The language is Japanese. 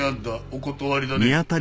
お断りだね。